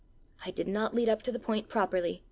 "I did not lead up to the point properly!"